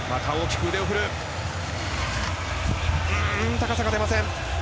高さが出ません。